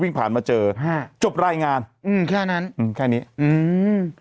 ผ่านมาเจอฮะจบรายงานอืมแค่นั้นอืมแค่นี้อืม